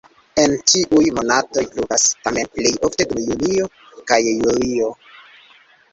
En ĉiuj monatoj pluvas, tamen plej ofte dum junio kaj julio.